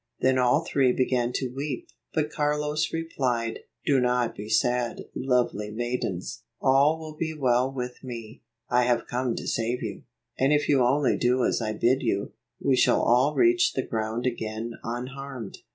Then all three began to weep, but Carlos replied, "Do not be sad, lovely maidens. All will be well with me. I have come to save you, and if you only do as I bid you, we shall all reach the ground again unharmed."